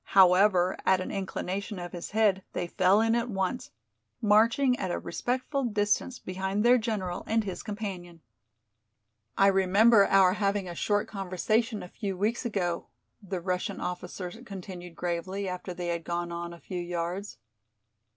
However, at an inclination of his head they fell in at once, marching at a respectful distance behind their general and his companion. "I remember our having a short conversation a few weeks ago," the Russian officer continued gravely, after they had gone on a few yards.